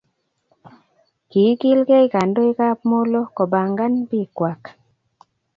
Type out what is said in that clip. Kikilke kandoik ab Molo kobangan bik kwak